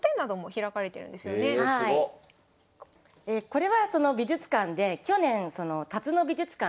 これはその美術館で去年辰野美術館